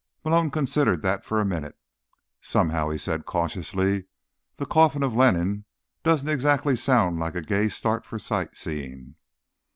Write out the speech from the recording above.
Malone considered that for a minute. "Somehow," he said cautiously, "the coffin of Lenin doesn't exactly sound like a gay start for sight seeing."